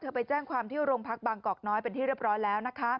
ไปแจ้งความที่โรงพักบางกอกน้อยเป็นที่เรียบร้อยแล้วนะคะ